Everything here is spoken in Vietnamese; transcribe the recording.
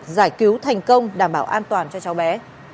giải cứu thành công đảm bảo an toàn cho cháu bé